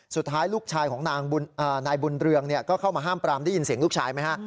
สุดท้ายลูกชายของนายบุญเรืองก็เข้ามาห้ามปรามได้ยินเสียงลูกชายไหมฮะ